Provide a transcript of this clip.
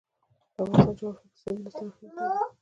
د افغانستان جغرافیه کې سیندونه ستر اهمیت لري.